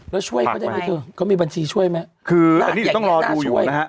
แล้วช่วยเขาได้ไหมเขามีบัญชีช่วยไหมคืออันนี้ต้องรอดูอยู่นะฮะ